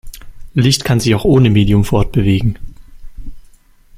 Licht kann sich auch ohne Medium fortbewegen.